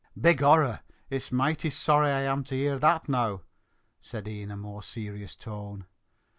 "Begorrah, it's moighty sorry I am to hear that, now!" said he in a more serious tone.